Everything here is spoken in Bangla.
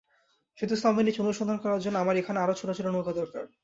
সেতু স্তম্ভের নিচে অনুসন্ধান করার জন্য আমার এখানে আরও ছোট ছোট নৌকা দরকার।